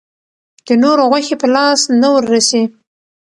د نورو غوښې په لاس نه وررسي.